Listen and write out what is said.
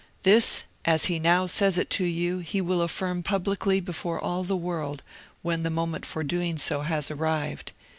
This, as he now says it to you, he will affirm publicly before all the world, when the moment for doing so has arrived.